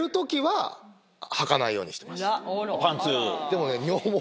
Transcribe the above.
でもね。